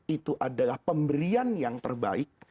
itu adalah pemberian yang terbaik